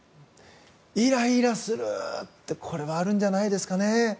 イライラするってこれはあるんじゃないですかね。